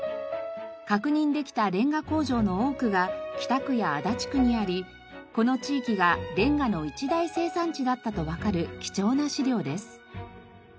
確認できたレンガ工場の多くが北区や足立区にありこの地域がレンガの一大生産地だったとわかる貴重な資料です。